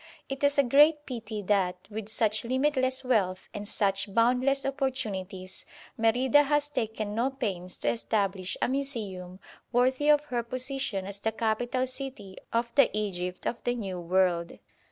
It is a great pity that, with such limitless wealth and such boundless opportunities, Merida has taken no pains to establish a Museum worthy of her position as the capital city of the Egypt of the New World.